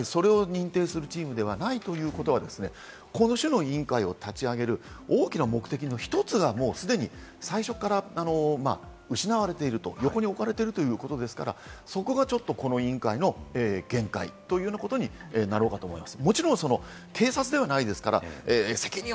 通常、そう言われていますが、今回、それを認定するチームではないということは、この種の委員会を立ち上げる大きな目的の一つは、もう既に最初から失われていると、横に置かれているということですから、そこがちょっとこの委員会の限界というようなことになろうかと思います。